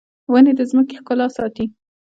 ونې د ځمکې ښکلا ساتي